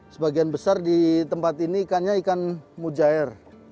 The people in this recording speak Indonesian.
sebagian besar di tempat ini ikannya ikan mujair